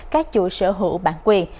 các chủ sở hữu bản thân